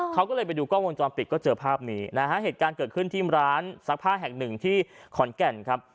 เขาก็เลยไปดูกล้องวงจรปิดก็เจอภาพนี้นะฮะเหตุการณ์เกิดขึ้นที่ร้านซักผ้าแห่งหนึ่งที่ขอนแก่นครับ